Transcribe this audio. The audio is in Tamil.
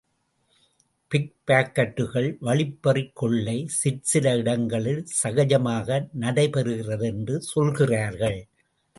பிக்பாக்கட்டுகள் வழிபறிக் கொள்ளை சிற்சில இடங்களில் சகஜமாக நடை பெறுகிறது என்று சொல்கிறார்கள்.